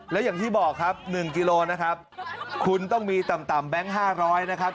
และอย่างที่บอกครับ๑กิโลนะครับคุณต้องมีต่ำแบงค์๕๐๐นะครับ